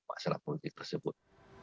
masalah politik tersebut